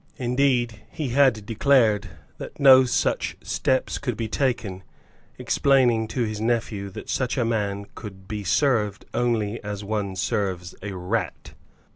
Indeed he had declared that no such steps could be taken, explaining to his nephew that such a man could be served only as one serves a rat.